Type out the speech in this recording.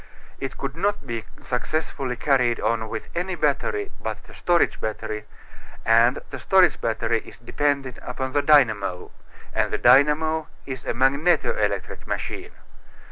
It could not be successfully carried on with any battery but the storage battery, and the storage battery is dependent upon the dynamo, and the dynamo is a magneto electric machine.